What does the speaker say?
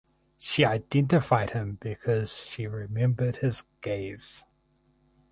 She identified him because she remembered his gaze.